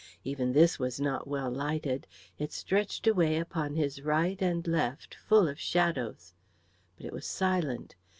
Even this was not well lighted; it stretched away upon his right and left, full of shadows. But it was silent.